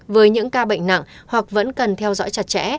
với những ca bệnh nặng hoặc vẫn cần theo dõi chặt chẽ